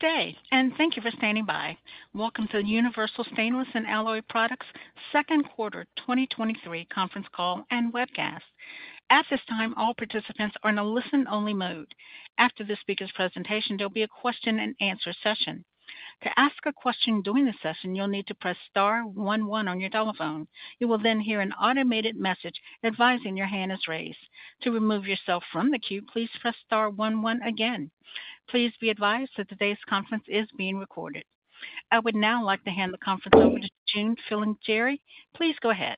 Good day, and thank you for standing by. Welcome to the Universal Stainless & Alloy Products second quarter 2023 conference call and webcast. At this time, all participants are in a listen-only mode. After the speaker's presentation, there'll be a Q&A session. To ask a question during the session, you'll need to press star one one on your telephone. You will then hear an automated message advising your hand is raised. To remove yourself from the queue, please press star one one again. Please be advised that today's conference is being recorded. I would now like to hand the conference over to June Filingeri. Please go ahead.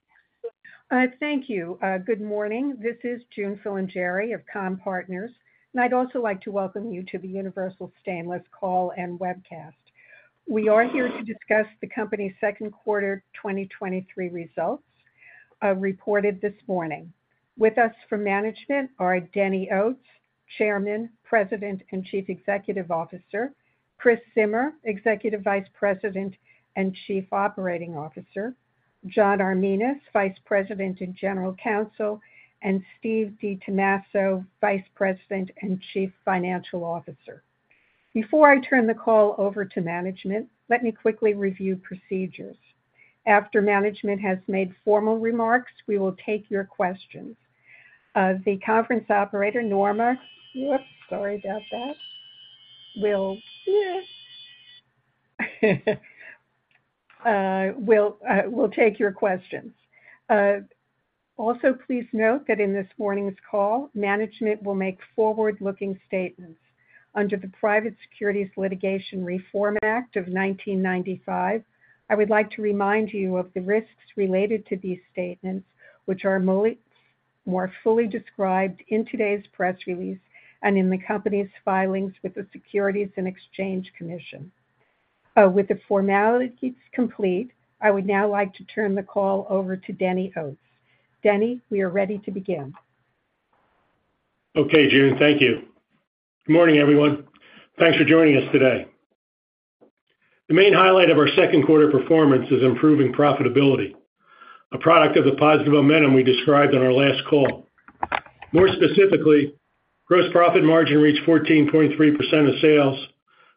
Thank you. Good morning. This is June Filingeri of Comm-Partners, and I'd also like to welcome you to the Universal Stainless call and webcast. We are here to discuss the company's second quarter 2023 results, reported this morning. With us from management are Denny Oates, Chairman, President, and Chief Executive Officer, Chris Zimmer, Executive Vice President and Chief Operating Officer, John Arminas, Vice President and General Counsel, and Steve DiTommaso, Vice President and Chief Financial Officer. Before I turn the call over to management, let me quickly review procedures. After management has made formal remarks, we will take your questions. The conference operator, Norma. Whoops, sorry about that. will take your questions. Please note that in this morning's call, management will make forward-looking statements. Under the Private Securities Litigation Reform Act of 1995, I would like to remind you of the risks related to these statements, which are more fully described in today's press release and in the company's filings with the Securities and Exchange Commission. With the formalities complete, I would now like to turn the call over to Denny Oates. Denny, we are ready to begin. Okay, June. Thank you. Good morning, everyone. Thanks for joining us today. The main highlight of our second quarter performance is improving profitability, a product of the positive momentum we described on our last call. More specifically, gross profit margin reached 14.3% of sales,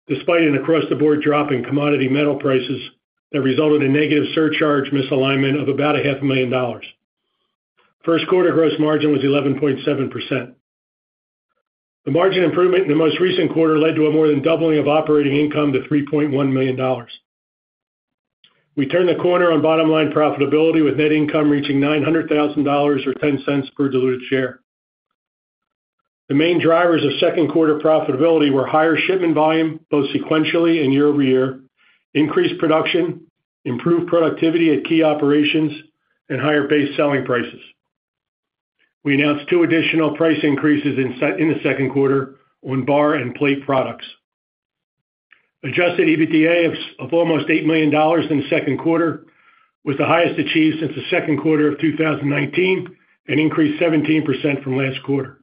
despite an across-the-board drop in commodity metal prices that resulted in negative surcharge misalignment of about a half a million dollars. First quarter gross margin was 11.7%. The margin improvement in the most recent quarter led to a more than doubling of operating income to $3.1 million. We turned the corner on bottom-line profitability, with net income reaching $900,000 or $0.10 per diluted share. The main drivers of second quarter profitability were higher shipment volume, both sequentially and year-over-year, increased production, improved productivity at key operations, and higher base selling prices. We announced two additional price increases in the second quarter on bar and plate products. Adjusted EBITDA of almost $8 million in the second quarter, was the highest achieved since the second quarter of 2019, and increased 17% from last quarter.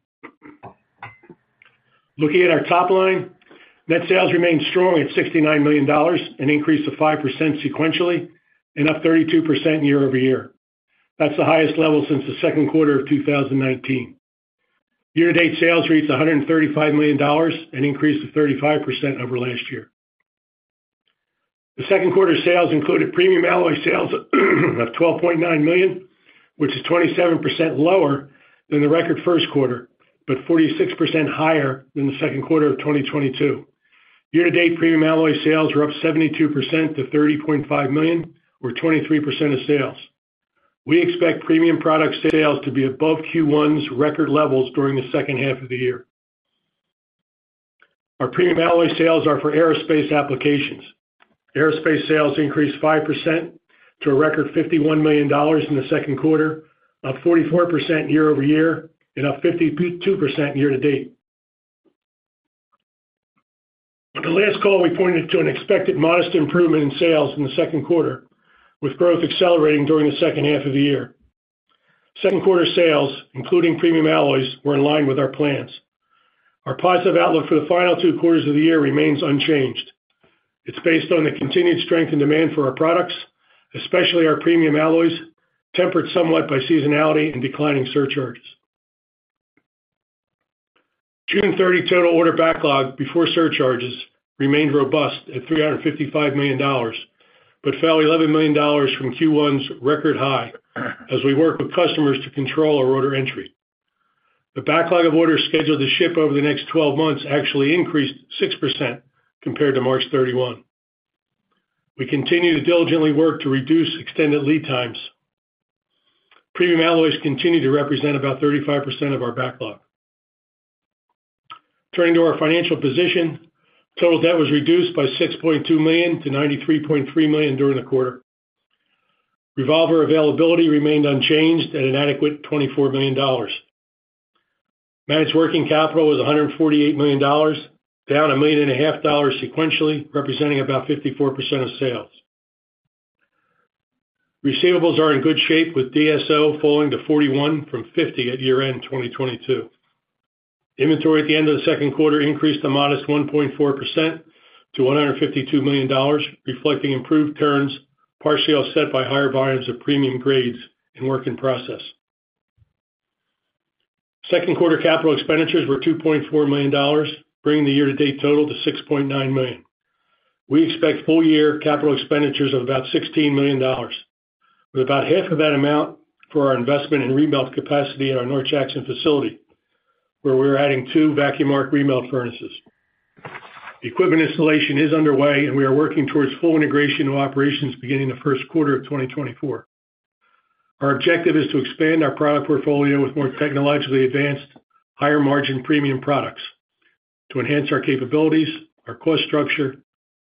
Looking at our top line, net sales remained strong at $69 million, an increase of 5% sequentially and up 32% year-over-year. That's the highest level since the second quarter of 2019. Year-to-date sales reached $135 million, an increase of 35% over last year. The second quarter sales included premium alloy sales of $12.9 million, which is 27% lower than the record first quarter, but 46% higher than the second quarter of 2022. Year-to-date premium alloy sales were up 72% to $30.5 million or 23% of sales. We expect premium product sales to be above Q1's record levels during the second half of the year. Our premium alloy sales are for aerospace applications. Aerospace sales increased 5% to a record $51 million in the second quarter, up 44% year-over-year, and up 52% year-to-date. On the last call, we pointed to an expected modest improvement in sales in the second quarter, with growth accelerating during the second half of the year. Second quarter sales, including premium alloys, were in line with our plans. Our positive outlook for the final two quarters of the year remains unchanged. It's based on the continued strength and demand for our products, especially our premium alloys, tempered somewhat by seasonality and declining surcharges. June 30, total order backlog before surcharges remained robust at $355 million, fell $11 million from Q1's record high, as we work with customers to control our order entry. The backlog of orders scheduled to ship over the next 12 months actually increased 6% compared to March 31. We continue to diligently work to reduce extended lead times. Premium alloys continue to represent about 35% of our backlog. Turning to our financial position, total debt was reduced by $6.2 million to $93.3 million during the quarter. Revolver availability remained unchanged at an adequate $24 million. Managed working capital was $148 million, down a million and a half dollars sequentially, representing about 54% of sales. Receivables are in good shape, with DSO falling to 41 from 50 at year-end 2022. Inventory at the end of the second quarter increased a modest 1.4% to $152 million, reflecting improved turns, partially offset by higher volumes of premium grades and work in process. Second quarter capital expenditures were $2.4 million, bringing the year-to-date total to $6.9 million. We expect full year capital expenditures of about $16 million, with about half of that amount for our investment in remelt capacity in our North Jackson facility, where we're adding two vacuum arc remelt furnaces. Equipment installation is underway, and we are working towards full integration of operations beginning the first quarter of 2024. Our objective is to expand our product portfolio with more technologically advanced, higher margin premium products, to enhance our capabilities, our cost structure,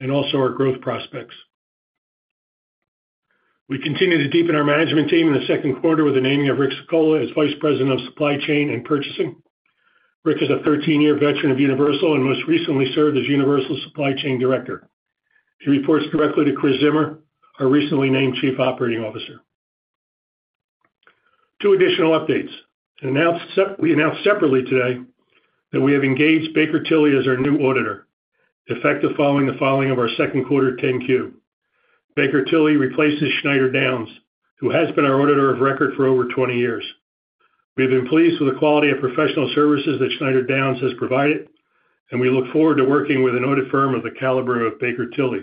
and also our growth prospects. We continue to deepen our management team in the second quarter with the naming of Rick Cecola as Vice President of Supply Chain and Purchasing. Rick is a 13-year veteran of Universal and most recently served as Universal's Supply Chain Director. He reports directly to Chris Zimmer, our recently named Chief Operating Officer. Two additional updates. We announced separately today that we have engaged Baker Tilly as our new auditor, effective following the filing of our second quarter 10-Q. Baker Tilly replaces Schneider Downs, who has been our auditor of record for over 20 years. We have been pleased with the quality of professional services that Schneider Downs has provided, and we look forward to working with an audit firm of the caliber of Baker Tilly.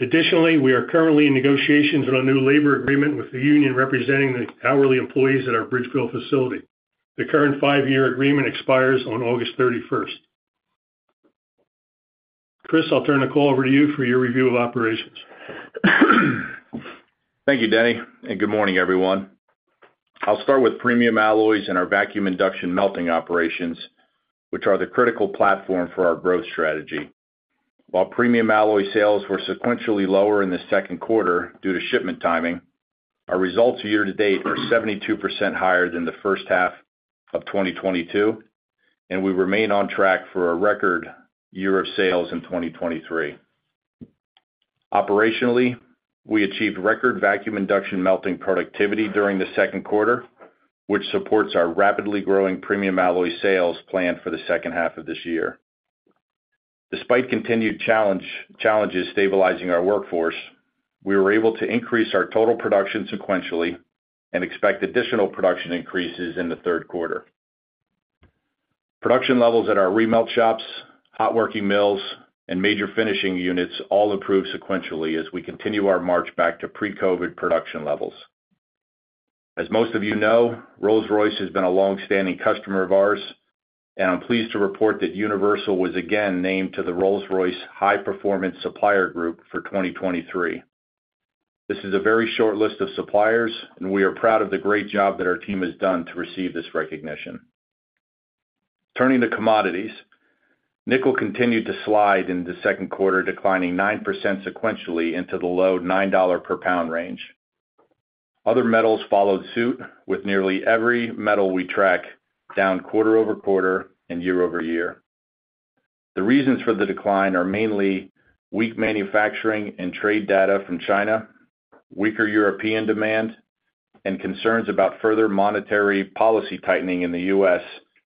Additionally, we are currently in negotiations on a new labor agreement with the union representing the hourly employees at our Bridgeville facility. The current five-year agreement expires on August thirty-first. Chris, I'll turn the call over to you for your review of operations. Thank you, Denny. Good morning, everyone. I'll start with premium alloys and our vacuum induction melting operations, which are the critical platform for our growth strategy. While premium alloy sales were sequentially lower in the second quarter due to shipment timing, our results year to date are 72% higher than the first half of 2022, we remain on track for a record year of sales in 2023. Operationally, we achieved record vacuum induction melting productivity during the second quarter, which supports our rapidly growing premium alloy sales plan for the second half of this year. Despite continued challenges stabilizing our workforce, we were able to increase our total production sequentially and expect additional production increases in the third quarter. Production levels at our remelt shops, hot working mills, and major finishing units all improved sequentially as we continue our march back to pre-COVID production levels. As most of you know, Rolls-Royce has been a long-standing customer of ours, and I'm pleased to report that Universal was again named to the Rolls-Royce High Performing Supplier Group for 2023. This is a very short list of suppliers, and we are proud of the great job that our team has done to receive this recognition. Turning to commodities. Nickel continued to slide in the second quarter, declining 9% sequentially into the low $9 per pound range. Other metals followed suit, with nearly every metal we track down quarter-over-quarter and year-over-year. The reasons for the decline are mainly weak manufacturing and trade data from China, weaker European demand, and concerns about further monetary policy tightening in the U.S.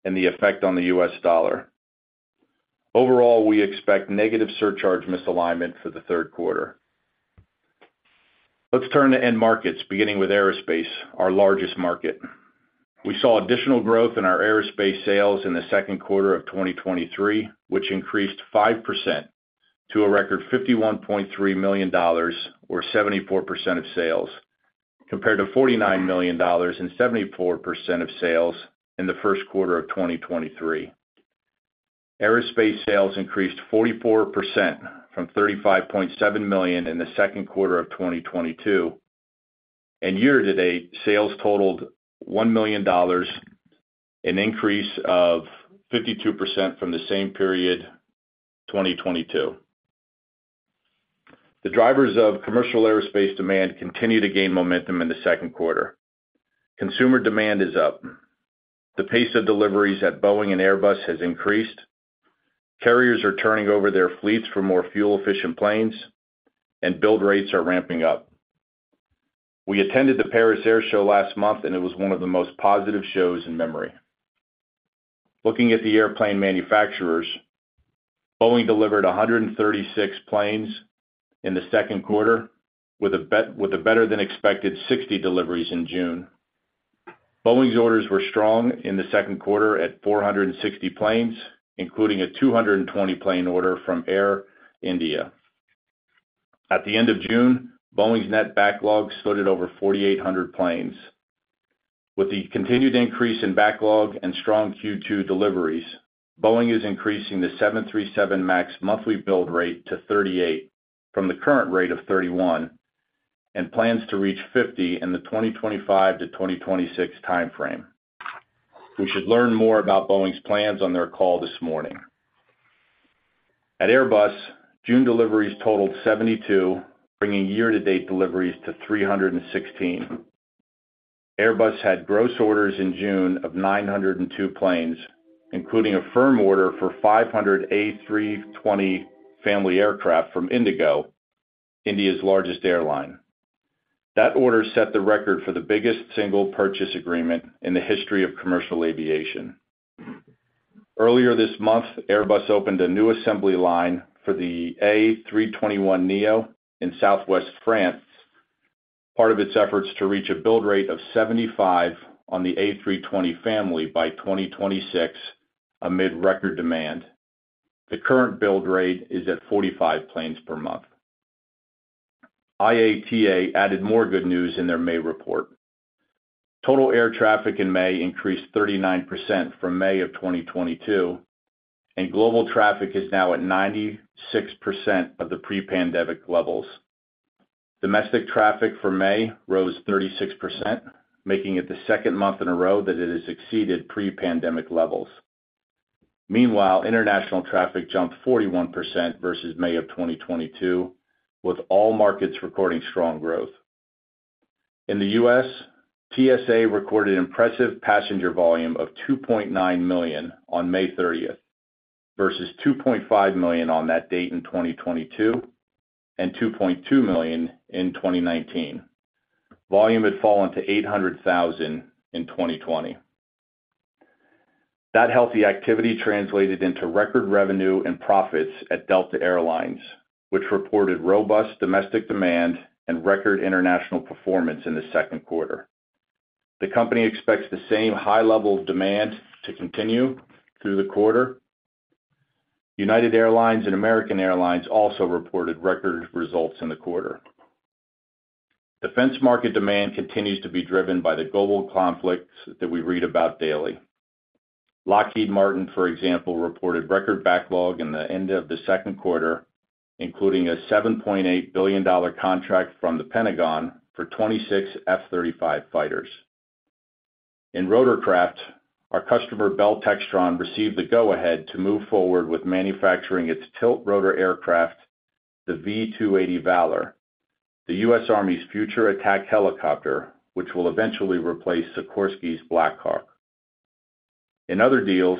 and the effect on the U.S. dollar. Overall, we expect negative surcharge misalignment for the third quarter. Let's turn to end markets, beginning with aerospace, our largest market. We saw additional growth in our aerospace sales in the second quarter of 2023, which increased 5% to a record $51.3 million, or 74% of sales, compared to $49 million and 74% of sales in the first quarter of 2023. Aerospace sales increased 44% from $35.7 million in the second quarter of 2022, and year to date, sales totaled $1 million, an increase of 52% from the same period, 2022. The drivers of commercial aerospace demand continued to gain momentum in the second quarter. Consumer demand is up. The pace of deliveries at Boeing and Airbus has increased. Carriers are turning over their fleets for more fuel-efficient planes, and build rates are ramping up. We attended the Paris Air Show last month, and it was one of the most positive shows in memory. Looking at the airplane manufacturers, Boeing delivered 136 planes in the second quarter with a better-than-expected 60 deliveries in June. Boeing's orders were strong in the second quarter at 460 planes, including a 220 plane order from Air India. At the end of June, Boeing's net backlog stood at over 4,800 planes. With the continued increase in backlog and strong Q2 deliveries, Boeing is increasing the 737 MAX monthly build rate to 38 from the current rate of 31, plans to reach 50 in the 2025-2026 timeframe. We should learn more about Boeing's plans on their call this morning. At Airbus, June deliveries totaled 72, bringing year-to-date deliveries to 316. Airbus had gross orders in June of 902 planes, including a firm order for 500 A320 family aircraft from IndiGo, India's largest airline. That order set the record for the biggest single purchase agreement in the history of commercial aviation. Earlier this month, Airbus opened a new assembly line for the A321neo in southwest France, part of its efforts to reach a build rate of 75 on the A320 family by 2026 amid record demand. The current build rate is at 45 planes per month. IATA added more good news in their May report. Total air traffic in May increased 39% from May of 2022, and global traffic is now at 96% of the pre-pandemic levels. Domestic traffic for May rose 36%, making it the second month in a row that it has exceeded pre-pandemic levels. Meanwhile, international traffic jumped 41% versus May of 2022, with all markets recording strong growth. In the U.S., TSA recorded impressive passenger volume of 2.9 million on May 30th, versus 2.5 million on that date in 2022, and 2.2 million in 2019. Volume had fallen to 800,000 in 2020. That healthy activity translated into record revenue and profits at Delta Air Lines, which reported robust domestic demand and record international performance in the second quarter. The company expects the same high level of demand to continue through the quarter. United Airlines and American Airlines also reported record results in the quarter. Defense market demand continues to be driven by the global conflicts that we read about daily. Lockheed Martin, for example, reported record backlog in the end of the second quarter, including a $7.8 billion contract from the Pentagon for 26 F-35 fighters. In rotorcraft, our customer, Bell Textron, received the go-ahead to move forward with manufacturing its tiltrotor aircraft, the V-280 Valor, the U.S. Army's future attack helicopter, which will eventually replace Sikorsky's Black Hawk. In other deals,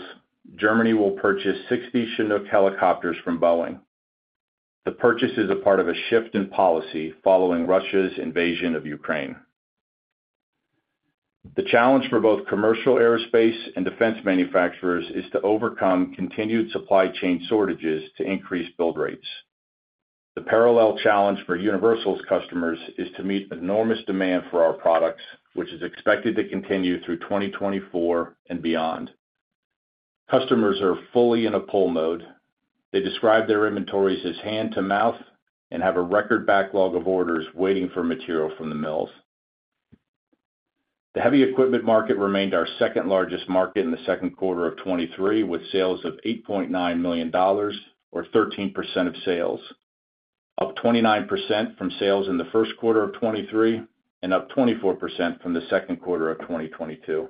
Germany will purchase 60 Chinook helicopters from Boeing. The purchase is a part of a shift in policy following Russia's invasion of Ukraine. The challenge for both commercial aerospace and defense manufacturers is to overcome continued supply chain shortages to increase build rates. The parallel challenge for Universal's customers is to meet enormous demand for our products, which is expected to continue through 2024 and beyond. Customers are fully in a pull mode. They describe their inventories as hand-to-mouth and have a record backlog of orders waiting for material from the mills. The heavy equipment market remained our second-largest market in the second quarter of 2023, with sales of $8.9 million or 13% of sales, up 29% from sales in the first quarter of 2023, and up 24% from the second quarter of 2022.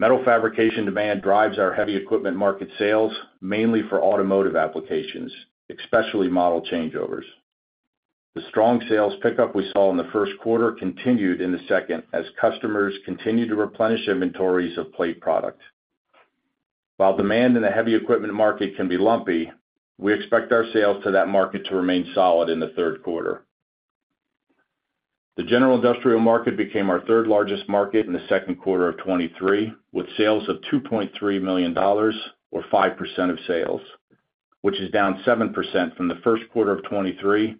Metal fabrication demand drives our heavy equipment market sales, mainly for automotive applications, especially model changeovers. The strong sales pickup we saw in the first quarter continued in the second as customers continued to replenish inventories of plate product. While demand in the heavy equipment market can be lumpy, we expect our sales to that market to remain solid in the third quarter. The general industrial market became our third-largest market in the second quarter of 2023, with sales of $2.3 million or 5% of sales, which is down 7% from the first quarter of 2023,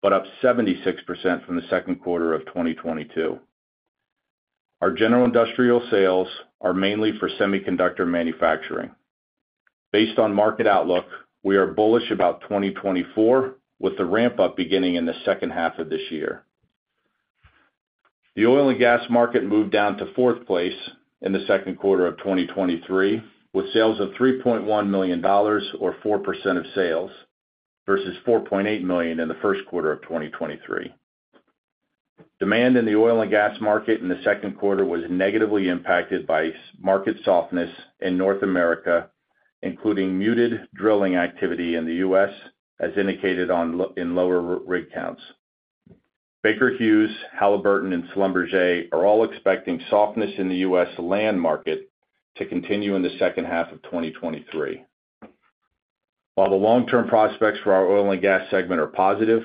but up 76% from the second quarter of 2022. Our general industrial sales are mainly for semiconductor manufacturing. Based on market outlook, we are bullish about 2024, with the ramp-up beginning in the second half of this year. The oil and gas market moved down to 4th place in the 2Q of 2023, with sales of $3.1 million or 4% of sales, versus $4.8 million in the 1Q of 2023. Demand in the oil and gas market in the 2Q was negatively impacted by market softness in North America, including muted drilling activity in the U.S., as indicated in lower rig counts. Baker Hughes, Halliburton, and Schlumberger are all expecting softness in the U.S. land market to continue in the H2 of 2023. While the long-term prospects for our oil and gas segment are positive,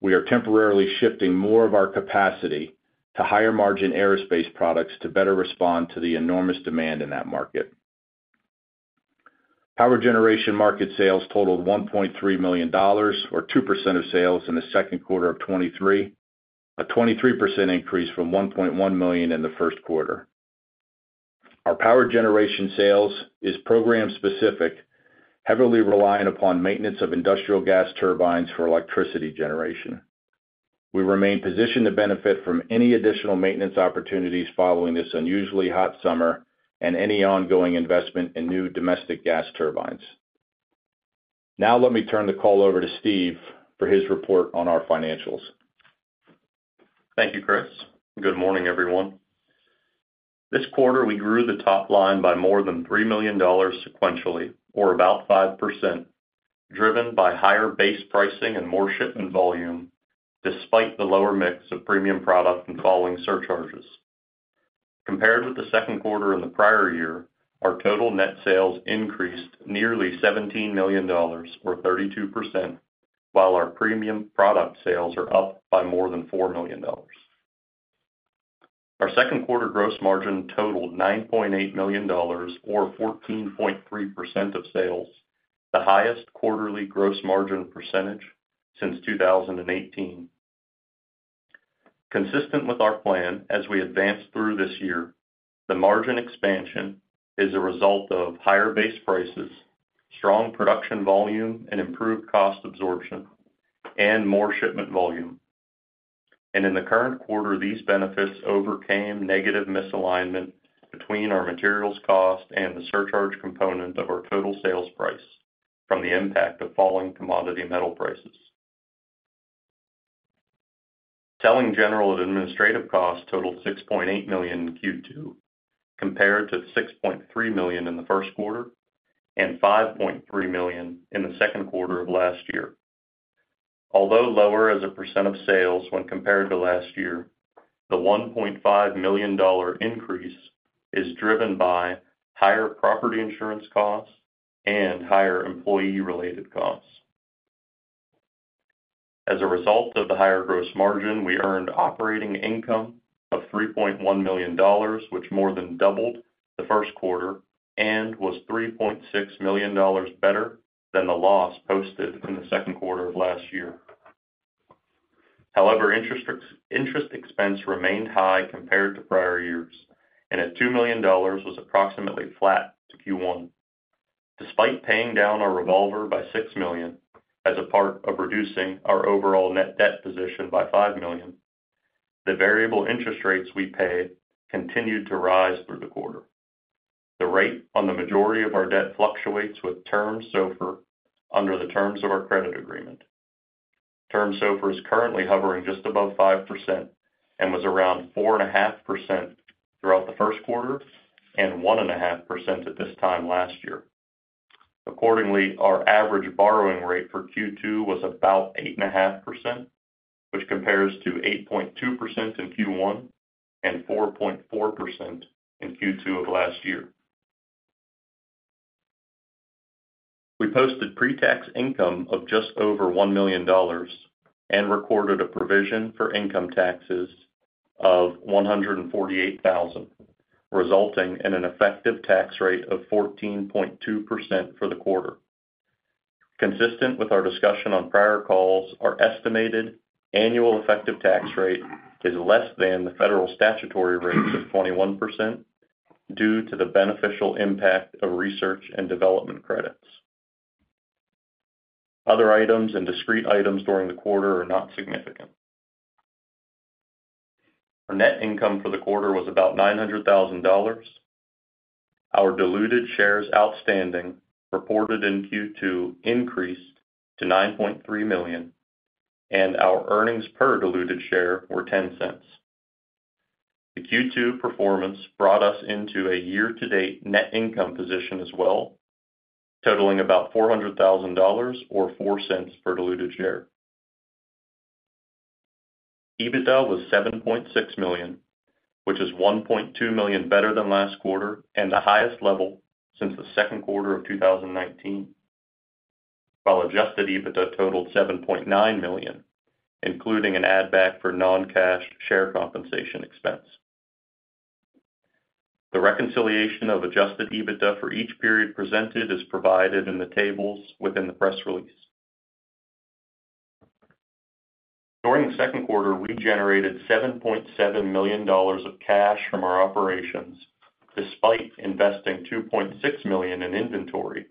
we are temporarily shifting more of our capacity to higher-margin aerospace products to better respond to the enormous demand in that market. Power generation market sales totaled $1.3 million, or 2% of sales, in the second quarter of 2023, a 23% increase from $1.1 million in the first quarter. Our power generation sales is program-specific, heavily reliant upon maintenance of industrial gas turbines for electricity generation. We remain positioned to benefit from any additional maintenance opportunities following this unusually hot summer and any ongoing investment in new domestic gas turbines. Let me turn the call over to Steve for his report on our financials. Thank you, Chris. Good morning, everyone. This quarter, we grew the top line by more than $3 million sequentially or about 5%, driven by higher base pricing and more shipment volume, despite the lower mix of premium product and falling surcharges. Compared with the second quarter in the prior year, our total net sales increased nearly $17 million or 32%, while our premium product sales are up by more than $4 million. Our second quarter gross margin totaled $9.8 million, or 14.3% of sales, the highest quarterly gross margin percentage since 2018. Consistent with our plan as we advance through this year, the margin expansion is a result of higher base prices, strong production volume and improved cost absorption, and more shipment volume. In the current quarter, these benefits overcame negative misalignment between our materials cost and the surcharge component of our total sales price from the impact of falling commodity metal prices. Selling, general, and administrative costs totaled $6.8 million in Q2, compared to $6.3 million in the first quarter and $5.3 million in the second quarter of last year. Although lower as a % of sales when compared to last year, the $1.5 million increase is driven by higher property insurance costs and higher employee-related costs. As a result of the higher gross margin, we earned operating income of $3.1 million, which more than doubled the first quarter and was $3.6 million better than the loss posted in the second quarter of last year. However, interest expense remained high compared to prior years, and at $2 million was approximately flat to Q1. Despite paying down our revolver by $6 million as a part of reducing our overall net debt position by $5 million, the variable interest rates we paid continued to rise through the quarter. The rate on the majority of our debt fluctuates with Term SOFR under the terms of our credit agreement. Term SOFR is currently hovering just above 5% and was around 4.5% throughout the first quarter, and 1.5% at this time last year. Accordingly, our average borrowing rate for Q2 was about 8.5%, which compares to 8.2% in Q1 and 4.4% in Q2 of last year. We posted pre-tax income of just over $1 million and recorded a provision for income taxes of $148,000, resulting in an effective tax rate of 14.2% for the quarter. Consistent with our discussion on prior calls, our estimated annual effective tax rate is less than the federal statutory rate of 21% due to the beneficial impact of research and development credits. Other items and discrete items during the quarter are not significant. Our net income for the quarter was about $900,000. Our diluted shares outstanding, reported in Q2, increased to 9.3 million, and our earnings per diluted share were $0.10. The Q2 performance brought us into a year-to-date net income position as well, totaling about $400,000 or $0.04 per diluted share. EBITDA was $7.6 million, which is $1.2 million better than last quarter and the highest level since the second quarter of 2019. Adjusted EBITDA totaled $7.9 million, including an add-back for non-cash share compensation expense. The reconciliation of adjusted EBITDA for each period presented is provided in the tables within the press release. During the second quarter, we generated $7.7 million of cash from our operations, despite investing $2.6 million in inventory,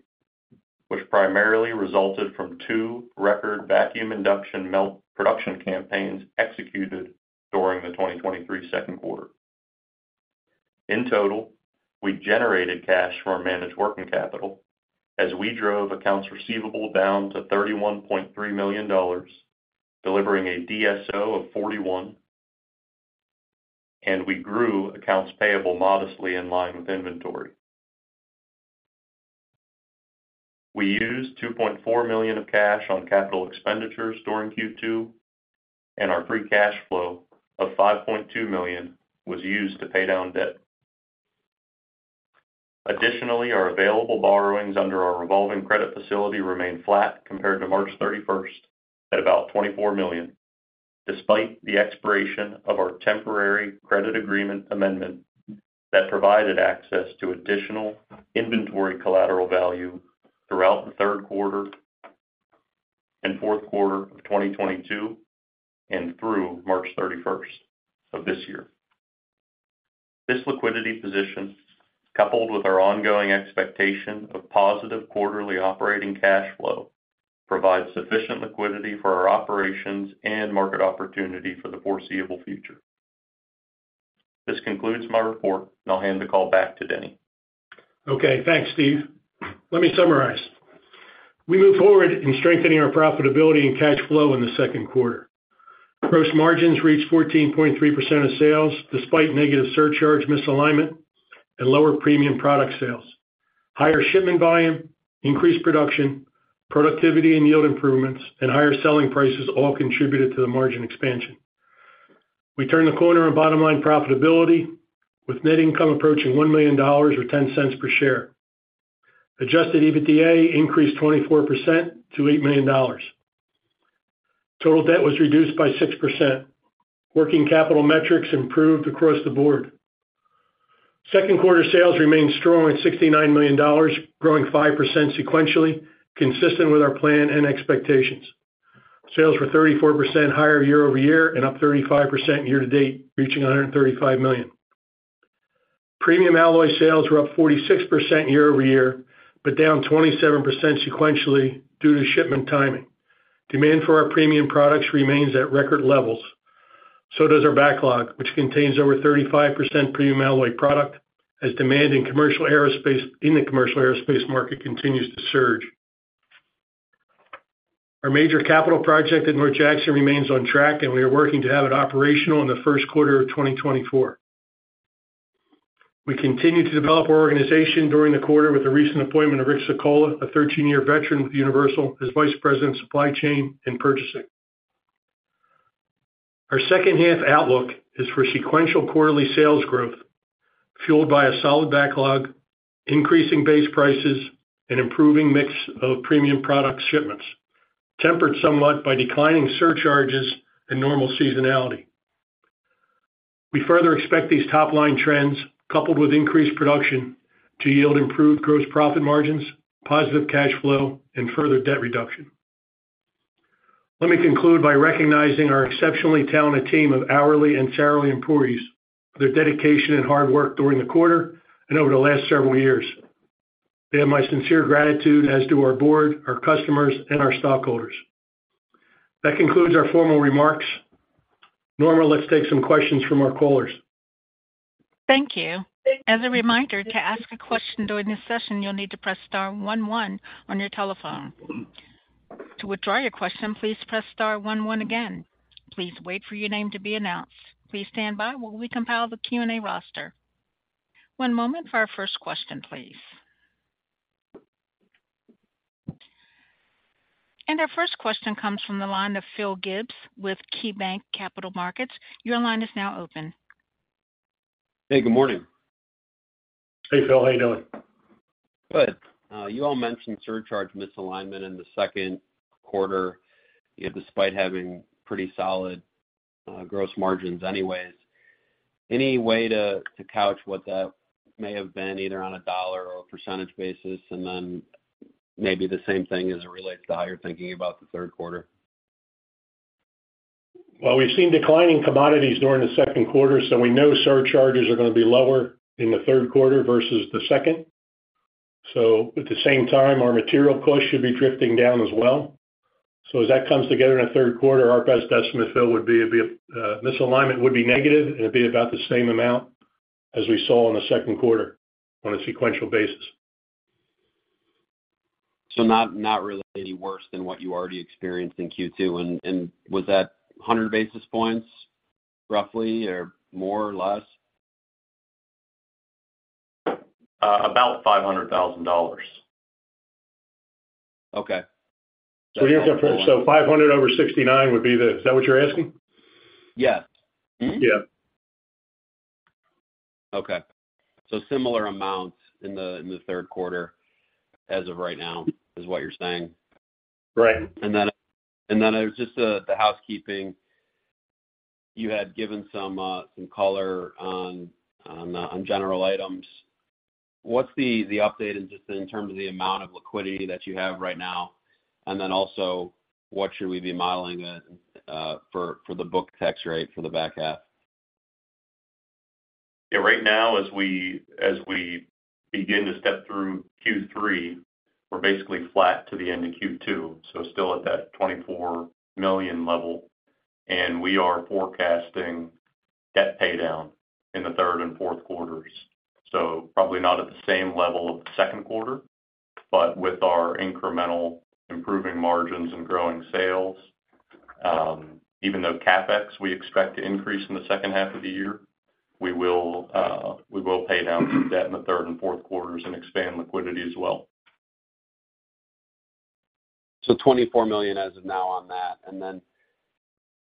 which primarily resulted from two record vacuum induction melt production campaigns executed during the 2023 second quarter. In total, we generated cash from our managed working capital as we drove accounts receivable down to $31.3 million, delivering a DSO of 41, and we grew accounts payable modestly in line with inventory. We used $2.4 million of cash on CapEx during Q2, and our free cash flow of $5.2 million was used to pay down debt. Additionally, our available borrowings under our revolving credit facility remained flat compared to March 31st at about $24 million, despite the expiration of our temporary credit agreement amendment that provided access to additional inventory collateral value throughout the third quarter and fourth quarter of 2022 and through March 31st of this year. This liquidity position, coupled with our ongoing expectation of positive quarterly operating cash flow, provides sufficient liquidity for our operations and market opportunity for the foreseeable future. This concludes my report, and I'll hand the call back to Denny. Okay, thanks, Steve. Let me summarize. We moved forward in strengthening our profitability and cash flow in the second quarter. Gross margins reached 14.3% of sales, despite negative surcharge misalignment and lower premium product sales. Higher shipment volume, increased production, productivity and yield improvements, and higher selling prices all contributed to the margin expansion. We turned the corner on bottom-line profitability, with net income approaching $1 million or $0.10 per share. Adjusted EBITDA increased 24% to $8 million. Total debt was reduced by 6%. Working capital metrics improved across the board. Second quarter sales remained strong at $69 million, growing 5% sequentially, consistent with our plan and expectations. Sales were 34% higher year-over-year and up 35% year-to-date, reaching $135 million. Premium alloy sales were up 46% year-over-year, but down 27% sequentially due to shipment timing. Demand for our premium products remains at record levels. Does our backlog, which contains over 35% premium alloy product, as demand in the commercial aerospace market continues to surge. Our major capital project at North Jackson remains on track, and we are working to have it operational in the first quarter of 2024. We continued to develop our organization during the quarter with the recent appointment of Rick Secola, a 13-year veteran with Universal, as Vice President of Supply Chain and Purchasing. Our second-half outlook is for sequential quarterly sales growth, fueled by a solid backlog, increasing base prices, and improving mix of premium product shipments, tempered somewhat by declining surcharges and normal seasonality. We further expect these top-line trends, coupled with increased production, to yield improved gross profit margins, positive cash flow, and further debt reduction. Let me conclude by recognizing our exceptionally talented team of hourly and salary employees, their dedication and hard work during the quarter and over the last several years. They have my sincere gratitude, as do our board, our customers, and our stockholders. That concludes our formal remarks. Norma, let's take some questions from our callers. Thank you. As a reminder, to ask a question during this session, you'll need to press star one on your telephone. To withdraw your question, please press star one again. Please wait for your name to be announced. Please stand by while we compile the Q&A roster. One moment for our first question, please. Our first question comes from the line of Phil Gibbs with KeyBanc Capital Markets. Your line is now open. Hey, good morning. Hey, Phil. How you doing? Good. You all mentioned surcharge misalignment in the second quarter, despite having pretty solid, gross margins anyways. Any way to couch what that may have been, either on a dollar or a percentage basis, and then maybe the same thing as it relates to how you're thinking about the third quarter? We've seen declining commodities during the second quarter, so we know surcharges are going to be lower in the third quarter versus the second. At the same time, our material costs should be drifting down as well. As that comes together in the third quarter, our best estimate, Phil, would be, it'd be misalignment would be negative, and it'd be about the same amount as we saw in the second quarter on a sequential basis. Not really any worse than what you already experienced in Q2. Was that 100 basis points, roughly, or more or less? About $500,000. Okay. Here's the point. 500 over 69 would be the. Is that what you're asking? Yes. Yeah. Okay. similar amounts in the, in the third quarter as of right now, is what you're saying? Right. Just the housekeeping. You had given some color on general items. What's the update in just in terms of the amount of liquidity that you have right now? Also, what should we be modeling for the book tax rate for the back half? Right now, as we begin to step through Q3, we're basically flat to the end of Q2, still at that $24 million level, and we are forecasting debt paydown in the third and fourth quarters. Probably not at the same level of the second quarter, but with our incremental improving margins and growing sales, even though CapEx, we expect to increase in the second half of the year, we will pay down debt in the third and fourth quarters and expand liquidity as well. $24 million as of now on that.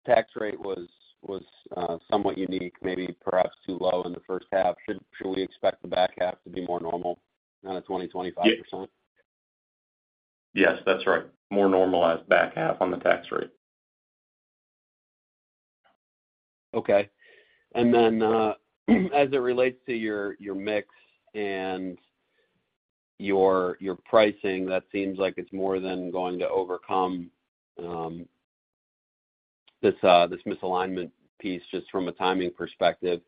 Tax rate was somewhat unique, maybe perhaps too low in the first half. Should we expect the back half to be more normal on a 20%-25%? Yes, that's right. More normalized back half on the tax rate. Okay. As it relates to your mix and your pricing, that seems like it's more than going to overcome, this misalignment piece, just from a timing perspective.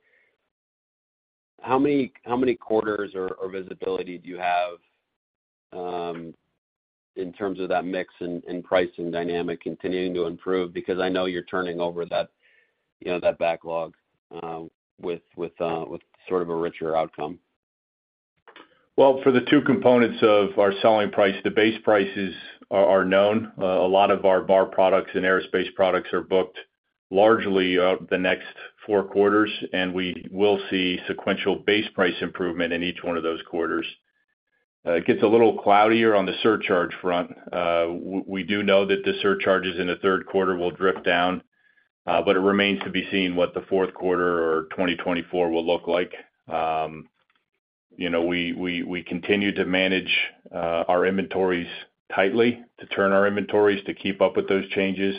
How many quarters or visibility do you have, in terms of that mix and pricing dynamic continuing to improve? Because I know you're turning over that, you know, that backlog, with sort of a richer outcome. Well, for the two components of our selling price, the base prices are known. A lot of our bar products and aerospace products are booked largely out the next four quarters. We will see sequential base price improvement in each one of those quarters. It gets a little cloudier on the surcharge front. We do know that the surcharges in the third quarter will drift down. But it remains to be seen what the fourth quarter or 2024 will look like. You know, we continue to manage our inventories tightly, to turn our inventories to keep up with those changes.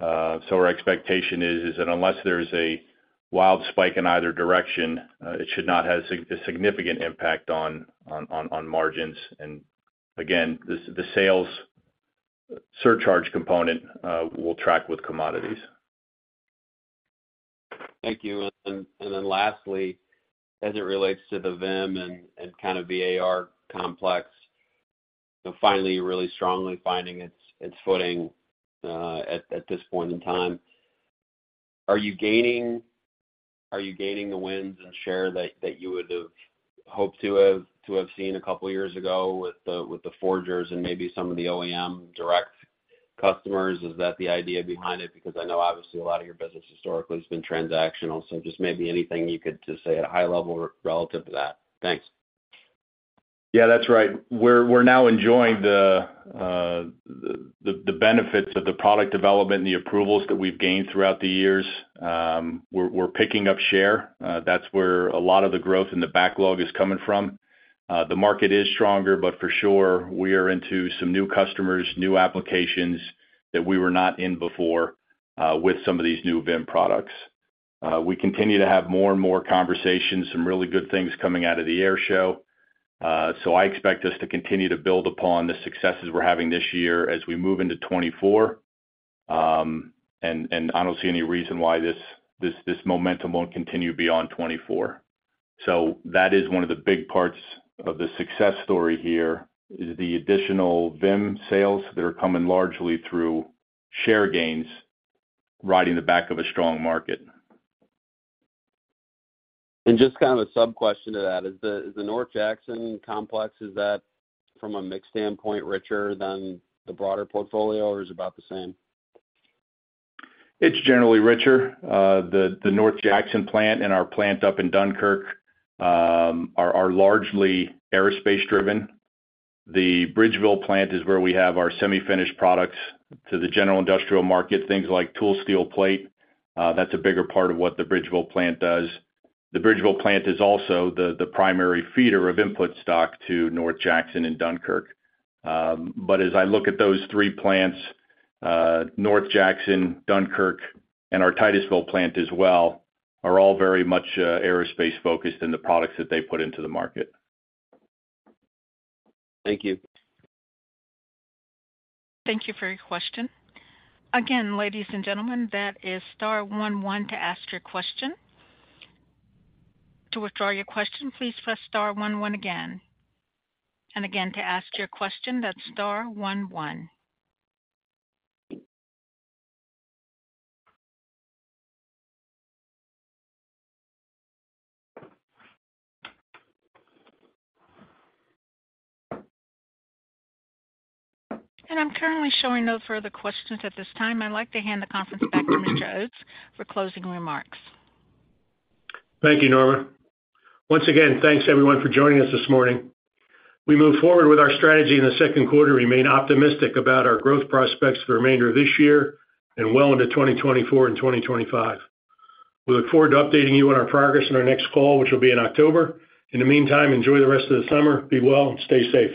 Our expectation is that unless there is a wild spike in either direction, it should not have a significant impact on margins. Again, the sales surcharge component will track with commodities. Thank you. Then lastly, as it relates to the VIM and kind of the VAR complex, finally, really strongly finding its footing at this point in time. Are you gaining the wins and share that you would have hoped to have seen a couple of years ago with the forgers and maybe some of the OEM direct customers? Is that the idea behind it? I know, obviously, a lot of your business historically has been transactional, just maybe anything you could just say at a high level relative to that. Thanks. Yeah, that's right. We're now enjoying the benefits of the product development and the approvals that we've gained throughout the years. We're picking up share. That's where a lot of the growth in the backlog is coming from. The market is stronger, but for sure, we are into some new customers, new applications that we were not in before, with some of these new VIM products. We continue to have more and more conversations, some really good things coming out of the air show. I expect us to continue to build upon the successes we're having this year as we move into 2024. I don't see any reason why this momentum won't continue beyond 2024. That is one of the big parts of the success story here, is the additional VIM sales that are coming largely through share gains, riding the back of a strong market. Just kind of a sub question to that, is the North Jackson complex, is that from a mix standpoint, richer than the broader portfolio, or is it about the same? It's generally richer. The North Jackson plant and our plant up in Dunkirk are largely aerospace-driven. The Bridgeville plant is where we have our semi-finished products to the general industrial market, things like tool steel plate. That's a bigger part of what the Bridgeville plant does. The Bridgeville plant is also the primary feeder of input stock to North Jackson and Dunkirk. As I look at those three plants, North Jackson, Dunkirk, and our Titusville plant as well, are all very much aerospace-focused in the products that they put into the market. Thank you. Thank you for your question. Again, ladies and gentlemen, that is star one one to ask your question. To withdraw your question, please press star one one again. Again, to ask your question, that's star one one. I'm currently showing no further questions at this time. I'd like to hand the conference back to Mr. Oates for closing remarks. Thank you, Norma. Once again, thanks everyone for joining us this morning. We move forward with our strategy in the second quarter, remain optimistic about our growth prospects for the remainder of this year and well into 2024 and 2025. We look forward to updating you on our progress in our next call, which will be in October. In the meantime, enjoy the rest of the summer. Be well and stay safe.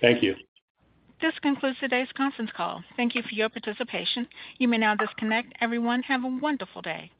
Thank you. This concludes today's conference call. Thank you for your participation. You may now disconnect. Everyone, have a wonderful day.